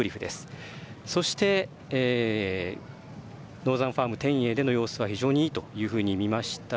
そしてノーザンファーム天栄での様子は非常にいいというふうに見ました。